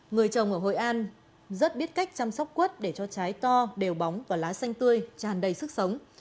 người trồng ở hội an rất biết cách chăm sóc quất để cho trái to đều bóng và lá xanh tươi tràn đầy sức sống